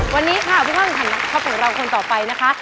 วันนี้ค่ะพี่พ่อเพิ่มถามคุณของเราคนต่อไปนะคะ